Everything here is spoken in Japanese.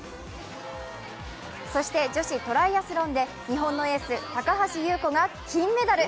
そして、女子トライアスロンで日本のエース・高橋侑子が金メダル。